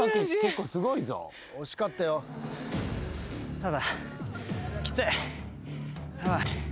ただ。